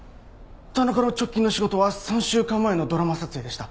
田中の直近の仕事は３週間前のドラマ撮影でした。